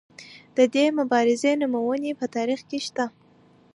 د دې مبارزې نمونې په تاریخ کې شته.